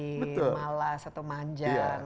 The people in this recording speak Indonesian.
malas atau manja